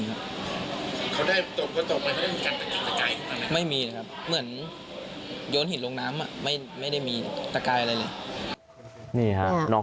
ไม่มีเหมือนโยนหินลงน้ำไม่ไม่ได้มีตะกายอะไรนี่น้อง